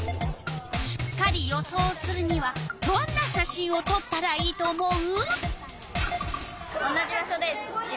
しっかり予想するにはどんな写真をとったらいいと思う？